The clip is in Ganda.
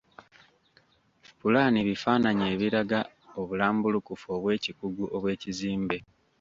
Pulaani bifaananyi ebiraga obulambulukufu obw'ekikugu obw'ekizimbe.